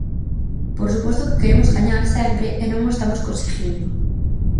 Por suposto que queremos gañar sempre e non o estamos conseguindo.